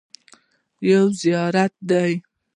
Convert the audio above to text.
یو زیارت دی.